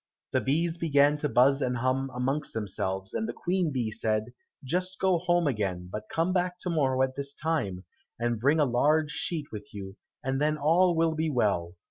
The bees began to buzz and hum amongst themselves, and the Queen bee said, "Just go home again, but come back to morrow at this time, and bring a large sheet with you, and then all will be well."